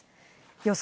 予想